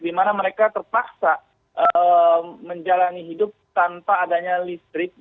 di mana mereka terpaksa menjalani hidup tanpa adanya listrik